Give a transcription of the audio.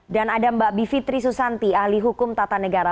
dan ada mbak bivitri susanti ahli hukum tata negara